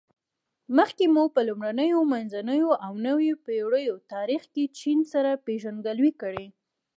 مخکې مو په لومړنیو، منځنیو او نویو پېړیو تاریخ کې چین سره پېژندګلوي کړې.